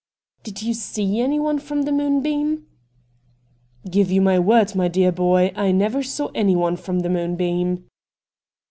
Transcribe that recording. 'Did you see anyone from the "Moon> beam "?'' Give you my word, dear boy, I never saw anyone from the " Moonbeam."